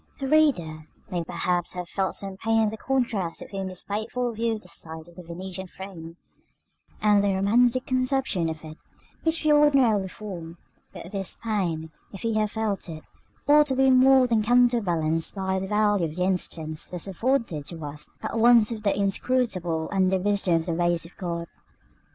§ VII. The reader may perhaps have felt some pain in the contrast between this faithful view of the site of the Venetian Throne, and the romantic conception of it which we ordinarily form; but this pain, if he have felt it, ought to be more than counterbalanced by the value of the instance thus afforded to us at once of the inscrutableness and the wisdom of the ways of God.